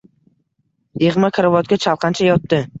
Yig‘ma karavotga chalqancha yotdi.